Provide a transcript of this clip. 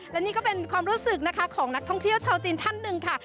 และนี่ก็เป็นความรู้สึกนะคะของนักท่องเที่ยวชาวจีนท่านหนึ่งค่ะ